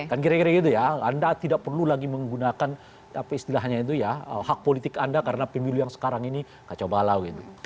kan kira kira gitu ya anda tidak perlu lagi menggunakan apa istilahnya itu ya hak politik anda karena pemilu yang sekarang ini kacau balau gitu